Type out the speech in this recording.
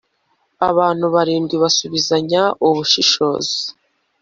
abantu barindwi basubizanya ubushishozi